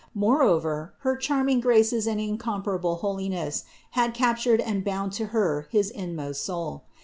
Moreover, her charming graces and incomparable holiness had captured and bound to Her his inmost soul.